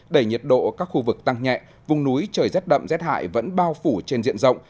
đẩy nhiệt độ các khu vực tăng nhẹ vùng núi trời rét đậm rét hại vẫn bao phủ trên diện rộng